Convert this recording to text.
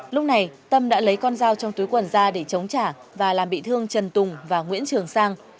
lúc này tâm đã lấy con dao trong túi quần ra để chống trả và làm bị thương trần tùng và nguyễn trường sang